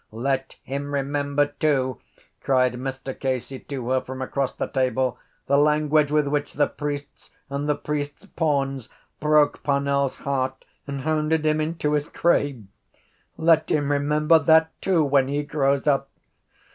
—Let him remember too, cried Mr Casey to her from across the table, the language with which the priests and the priests’ pawns broke Parnell’s heart and hounded him into his grave. Let him remember that too when he grows up.